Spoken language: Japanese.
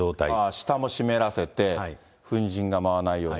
下を湿らせて、粉じんが舞わないように。